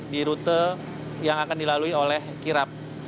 di rute yang akan dilalui oleh kirap